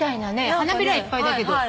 花びらいっぱいだけど。